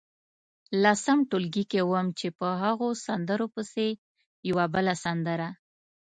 لسم ټولګي کې وم چې په هغو سندرو پسې یوه بله سندره.